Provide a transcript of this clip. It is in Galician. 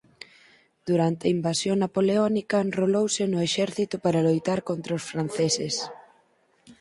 Durante a invasión napoleónica enrolouse no exército para loitar contra os franceses.